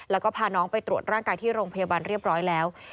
แล้วก็พาน้องไปตรวจร่างกายที่โรงพยาบาลเรียบร้อยแล้ว